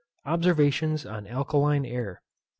_Observations on ALKALINE AIR.